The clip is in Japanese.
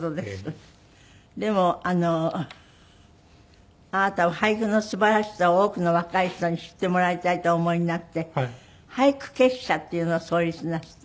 でもあなたは俳句のすばらしさを多くの若い人に知ってもらいたいとお思いになって俳句結社っていうのを創立なすった。